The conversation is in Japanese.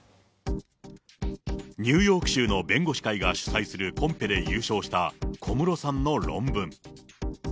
ニューヨーク州の弁護士会が主催するコンペで優勝した小室さんの論文。